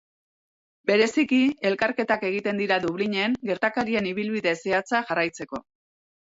Bereziki, elkarketak egiten dira Dublinen, gertakarien ibilbide zehatza jarraitzeko.